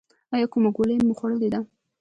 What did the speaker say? ایا کومه ګولۍ مو خوړلې ده؟